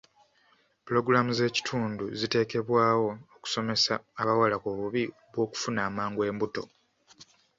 Pulogulaamu z'ekitundu ziteekebwawo okusomesa abawala ku bubi bw'okufuna amangu embuto.